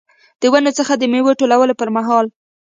د ونو څخه د میوو ټولولو پرمهال.